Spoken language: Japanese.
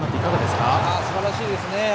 すばらしいですね。